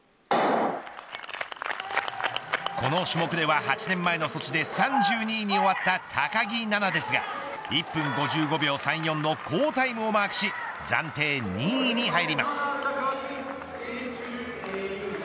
この種目では８年前のソチで３２位に終わった高木菜那ですが１分５５秒３４の好タイムをマークし暫定２位に入ります。